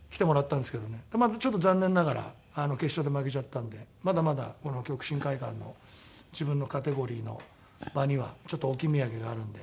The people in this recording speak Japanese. またちょっと残念ながら決勝で負けちゃったのでまだまだ極真会館の自分のカテゴリーの場にはちょっと置き土産があるので。